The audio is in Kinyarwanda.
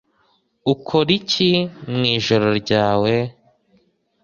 Ukora iki mwijoro ryawe?